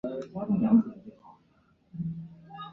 社会主义工人党是巴拿马的一个托洛茨基主义政党。